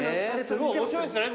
すごい面白いですね。